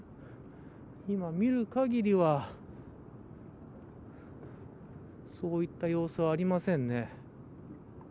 今、見るかぎりはそういった様子はありませんね。